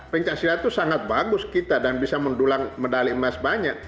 pencaksilat itu sangat bagus kita dan bisa mendulang medali emas banyak